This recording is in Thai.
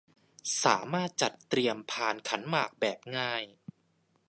สามารถจัดเตรียมพานขันหมากแบบง่าย